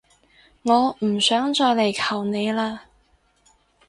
我唔想再嚟求你喇